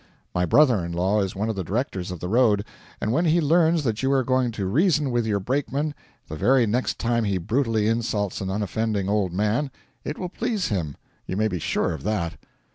My brother in law is one of the directors of the road, and when he learns that you are going to reason with your brakeman the very next time he brutally insults an unoffending old man it will please him, you may be sure of that.'